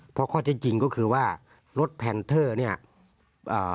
เพราะข้อเท็จจริงก็คือว่ารถแพนเทอร์เนี้ยเอ่อ